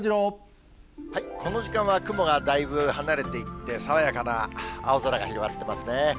この時間は雲がだいぶ離れていって、爽やかな青空が広がってますね。